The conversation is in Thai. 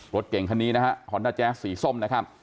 รถเก่งคันนี้นะฮะฮแจ๊กซ์สีส้มนะครับ